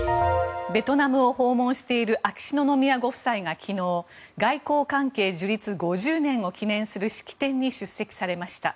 ベトナムを訪問している秋篠宮ご夫妻が昨日外交関係樹立５０年を記念する式典に出席されました。